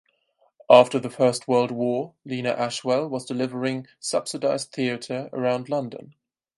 After the first world war Lena Ashwell was delivering subsidised theatre around London.